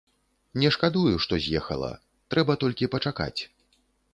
Не шкадую, што з'ехала, трэба толькі пачакаць.